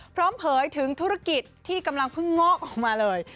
เผยถึงธุรกิจที่กำลังเพิ่งงอกออกมาเลย